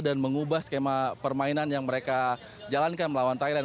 dan mengubah skema permainan yang mereka jalankan melawan thailand